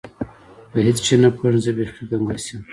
په هیڅ شي نه پوهېږم، زه بیخي ګنګس یم.